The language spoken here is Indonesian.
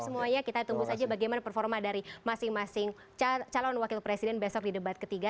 semuanya kita tunggu saja bagaimana performa dari masing masing calon wakil presiden besok di debat ketiga